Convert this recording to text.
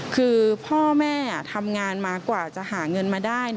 คือพ่อแม่ทำงานมากว่าจะหาเงินมาได้